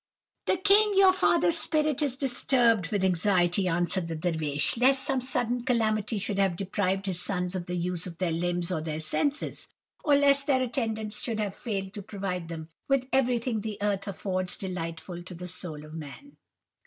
"'The king, your father's spirit is disturbed with anxiety,' answered the Dervish, 'lest some sudden calamity should have deprived his sons of the use of their limbs or their senses, or lest their attendants should have failed to provide them with everything the earth affords delightful to the soul of man.